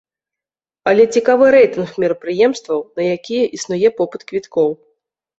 Але цікавы рэйтынг мерапрыемстваў, на якія існуе попыт квіткоў.